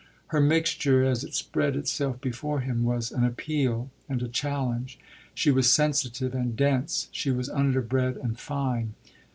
Her mixture, as it spread itself before him, was an appeal and a challenge: she was sensitive and dense, she was underbred and fine.